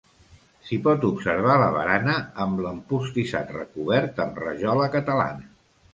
S'hi pot observar la barana amb l'empostissat recobert amb rajola catalana.